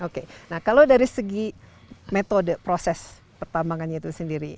oke nah kalau dari segi metode proses pertambangannya itu sendiri